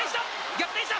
逆転した！